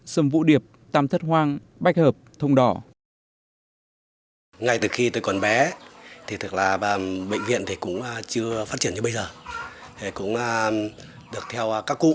sâm vũ điệp tam thất hoang bách hợp thông đỏ